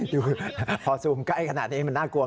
ดูพอซูมใกล้ขนาดนี้มันน่ากลัว